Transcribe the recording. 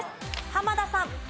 濱田さん。